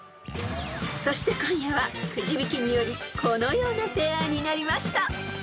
［そして今夜はくじ引きによりこのようなペアになりました］